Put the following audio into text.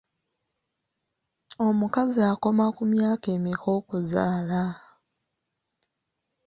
Omukazi akoma ku myaka emeka okuzaala?